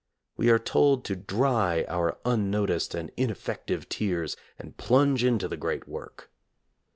We are told to dry our unnoticed and in effective tears and plunge into the great work.